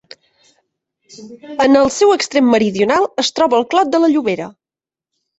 En el seu extrem meridional es troba el Clot de la Llobera.